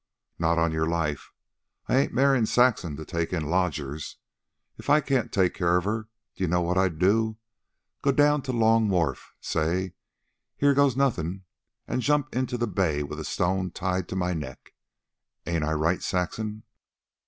"Not on your life. I ain't marryin' Saxon to take in lodgers. If I can't take care of her, d'ye know what I'll do? Go down to Long Wharf, say 'Here goes nothin',' an' jump into the bay with a stone tied to my neck. Ain't I right, Saxon?"